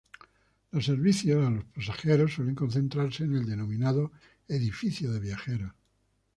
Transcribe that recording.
Los servicios a los pasajeros suelen concentrarse en el denominado "edificio de viajeros".